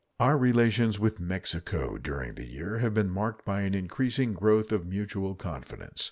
Our relations with Mexico during the year have been marked by an increasing growth of mutual confidence.